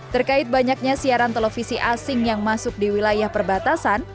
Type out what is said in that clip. terkait banyaknya siaran televisi asing yang masuk di wilayah perbatasan